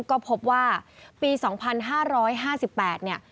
ก็พบว่าปี๒๕๕๘เนี่ย